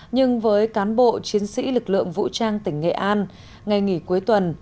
nhưng với cán bộ chiến sĩ lực lượng vũ trang tỉnh nghệ an ngày nghỉ cuối tuần